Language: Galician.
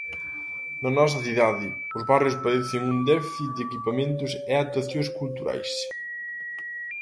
Na nosa cidade, os barrios padecen un déficit de equipamentos e actuacións culturais.